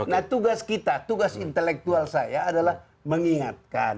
nah tugas kita tugas intelektual saya adalah mengingatkan